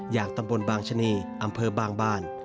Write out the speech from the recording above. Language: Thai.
อย่างตำบลบางชะนีอำเภอบางบาน